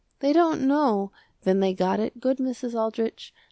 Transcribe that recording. They don't know when they got it good Mrs. Aldrich.